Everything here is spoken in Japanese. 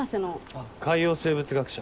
あっ海洋生物学者。